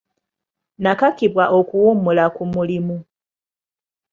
Nakakibwa okuwummula ku mulimu.